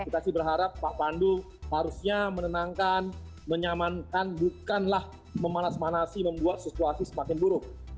kita sih berharap pak pandu harusnya menenangkan menyamankan bukanlah memanas manasi membuat situasi semakin buruk